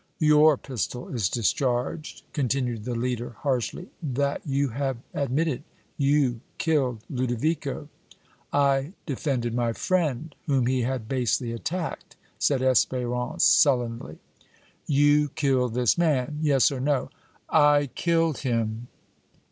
"Your pistol is discharged," continued the leader, harshly; "that you have admitted; you killed Ludovico!" "I defended my friend, whom he had basely attacked," said Espérance, sullenly. "You killed this man? Yes or no!" "I killed him!"